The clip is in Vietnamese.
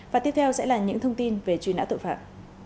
và tiếp theo sẽ là những thông tin về truy nã tội phạm